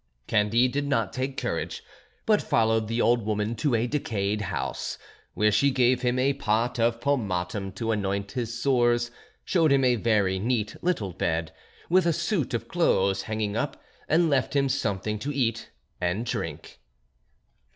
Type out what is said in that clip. Candide did not take courage, but followed the old woman to a decayed house, where she gave him a pot of pomatum to anoint his sores, showed him a very neat little bed, with a suit of clothes hanging up, and left him something to eat and drink.